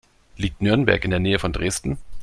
Liegt Nürnberg in der Nähe von Dresden?